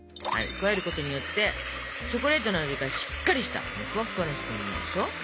加えることによってチョコレートの味がしっかりしたふわふわになるでしょ。